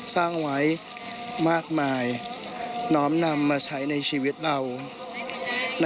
สร้างไว้มากมายน้อมนำมาใช้ในชีวิตเรา